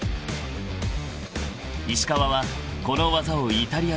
［石川はこの技をイタリアで習得］